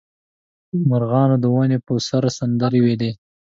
مرغانو د ونې په سر سندرې ویلې.